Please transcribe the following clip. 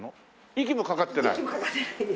息もかかってないです。